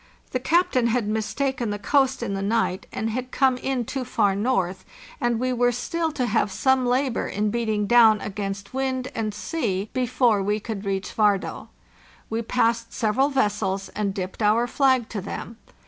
The captain had mistaken the coast in the night and had come in too far north, and we were still to have THE JOURNEY SOUTHWARD 581 some labor in beating down against wind and sea before we could reach Vard6. We passed several vessels, and dipped our flag to them.